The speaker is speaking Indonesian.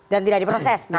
dan tidak diproses gitu